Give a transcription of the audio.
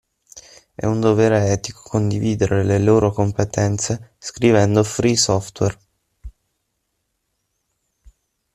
È un dovere etico condividere le loro competenze scrivendo free software.